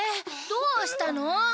どうしたの？